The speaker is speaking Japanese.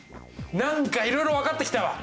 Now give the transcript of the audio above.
何かいろいろ分かってきたわ。